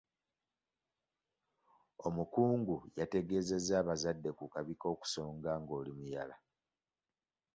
Omukungu yategeezezza abazadde ku kabi k'okusonga ng'oli muyala.